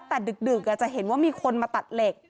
แต่ดึกจะเห็นว่ามีคนมาตัดเหล็ก